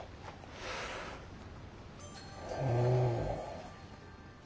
ほう。